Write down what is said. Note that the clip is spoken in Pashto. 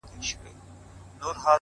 ستا د لپي په رڼو اوبو کي گراني !!